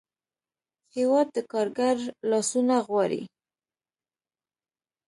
هېواد د کارګر لاسونه غواړي.